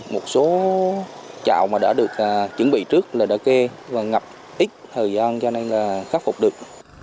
một số trạm mà đã được chuẩn bị trước là đã kê và ngập ít thời gian cho nên là khắc phục được